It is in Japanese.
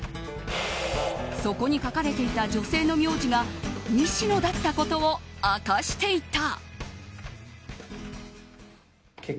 そこに書かれていた女性の名字が西野だったことを明かしていた。